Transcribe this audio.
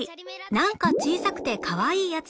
『なんか小さくてかわいいやつ』